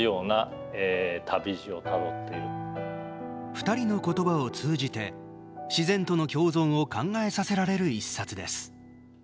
２人の言葉を通じて自然との共存を考えさせられる一冊です。